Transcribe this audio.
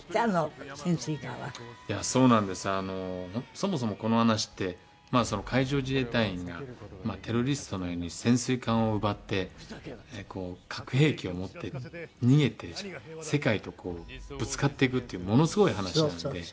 そもそもこの話って海上自衛隊員がテロリストのように潜水艦を奪って核兵器を持って逃げて世界とぶつかっていくっていうものすごい話なんで。